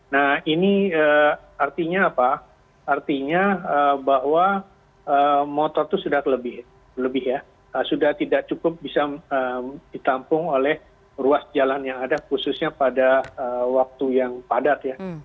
nah ini artinya apa artinya bahwa motor itu sudah lebih ya sudah tidak cukup bisa ditampung oleh ruas jalan yang ada khususnya pada waktu yang padat ya